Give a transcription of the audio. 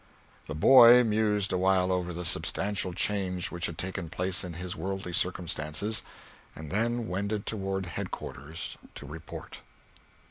The boy mused awhile over the substantial change which had taken place in his worldly circumstances, and then wended toward headquarters to report.